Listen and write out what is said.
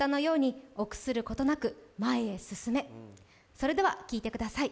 それでは聴いてください。